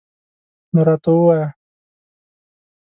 نور راته ووایه